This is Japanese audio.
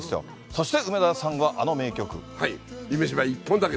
そして梅沢さんはあの名曲。